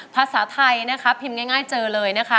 ภาษาไทยนะครับพิมพ์ง่ายเจอเลย